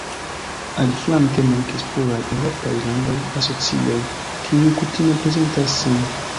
Aliflanke mankis pluraj eŭropaj landaj asocioj, kiuj kutime prezentas sin.